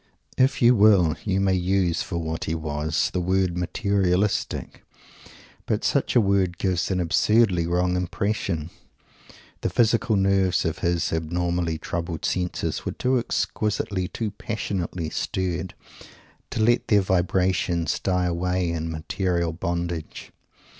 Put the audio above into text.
If you will, you may use, for what he was, the word "materialistic"; but such a word gives an absurdly wrong impression. The physical nerves of his abnormally troubled senses, were too exquisitely, too passionately stirred, to let their vibrations die away in material bondage.